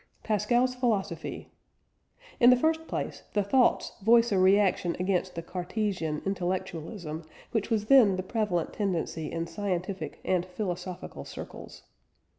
PASCAL'S PHILOSOPHY. In the first place, the Thoughts voice a reaction against the "Cartesian intellectualism" which was then the prevalent tendency in scientific and philosophical circles.